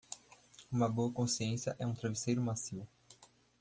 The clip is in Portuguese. Uma boa consciência é um travesseiro macio.